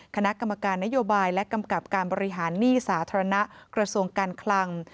คณะกรรมการนโยบายและกำกับการบริหารหนี้สาธารณะกระทรวงการคลัง